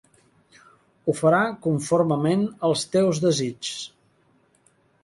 Ho farà conformement als teus desigs.